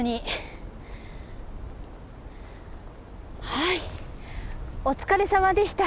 はいお疲れさまでした。